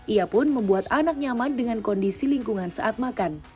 ia pun membuat anak nyaman dengan kondisi lingkungan saat makan